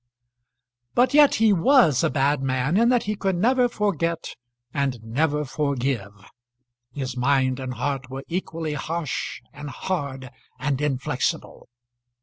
But yet he was a bad man in that he could never forget and never forgive. His mind and heart were equally harsh and hard and inflexible.